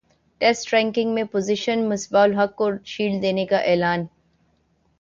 test ranking میں position Misbah ul Haq کو shield دینے کا اعلان